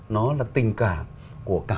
nó là tình cảm của cả